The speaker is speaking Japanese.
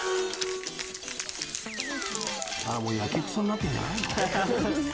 もうやけくそになってんじゃない？